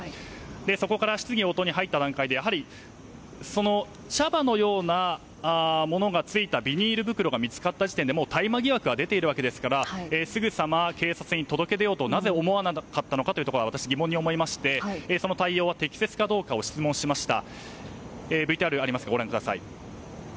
そこから質疑応答に入った段階で茶葉のようなものがついたビニール袋が見つかった時点でもう大麻疑惑が出ているわけですからすぐさま、警察に届け出ようとなぜ思わなかったのかというところは私、疑問に思いましてその対応は適切かどうかを質問しました。